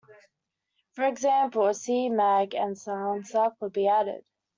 For example, a C-mag and silencer could be added.